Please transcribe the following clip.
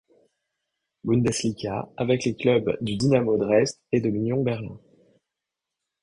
Bundesliga avec les clubs du Dynamo Dresde et de l'Union Berlin.